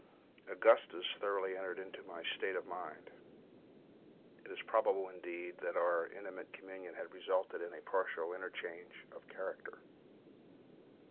Augustus thoroughly entered into my state of mind. It is probable, indeed, that our intimate communion had resulted in a partial interchange of character.